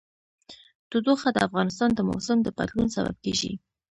تودوخه د افغانستان د موسم د بدلون سبب کېږي.